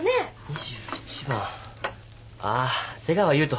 ああ瀬川悠人。